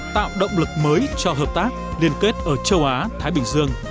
tạo động lực mới cho hợp tác liên kết ở châu á thái bình dương